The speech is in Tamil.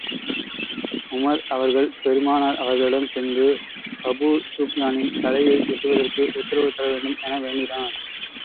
உமர் அவர்கள் பெருமானார் அவர்களிடம் சென்று, அபூஸுப்யானின் தலையை வெட்டுவதற்கு உத்தரவு தர வேண்டும் என வேண்டினார்.